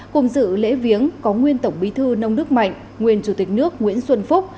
cùng dự lễ viếng có nguyên tổng bí thư nông đức mạnh nguyên chủ tịch nước nguyễn xuân phúc